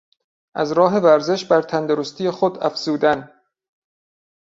از راه ورزش بر تندرستی خود افزودن